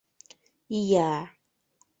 — Ия!